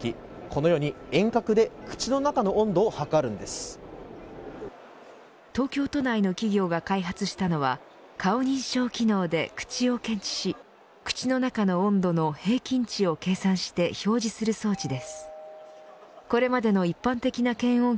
このように遠隔で口の中の温度を測るんで東京都内の企業が開発したのは顔認証機能で口を検知し口の中の温度の平均値を計算して表示する装置です。